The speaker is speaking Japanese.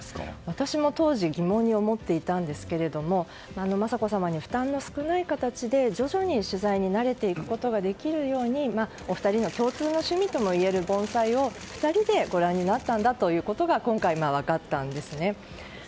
私も当時疑問に思っていたんですけども雅子さまに負担の少ない形で徐々に取材に慣れていくことができるようにお二人の共通の趣味ともいえる盆栽を２人でご覧になったんだと今回、分かったんですね。